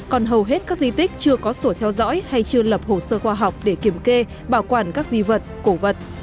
còn hầu hết các di tích chưa có sổ theo dõi hay chưa lập hồ sơ khoa học để kiểm kê bảo quản các di vật cổ vật